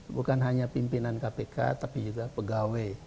bukan hanya pimpinan kpk tapi juga pegawai